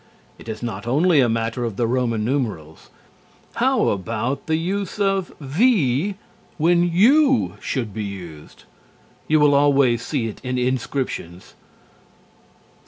It is not only a matter of the Roman numerals. How about the use of the "V" when "U" should be used? You will always see it in inscriptions.